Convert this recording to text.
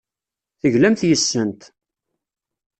Teglamt yes-sent.